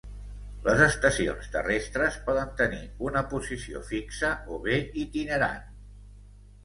Les estacions terrestres poden tenir una posició fixa o bé itinerant.